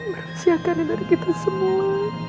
berhiasan dari kita semua